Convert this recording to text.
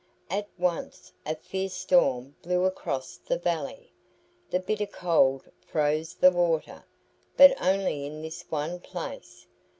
At once a fierce storm blew across the valley. The bitter cold froze the water, but only in this one place.